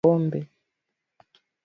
Alikua akivuta sigara na kunywa pombe